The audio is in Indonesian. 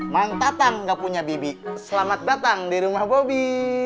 maung tatang gak punya bibi selamat datang di rumah bobi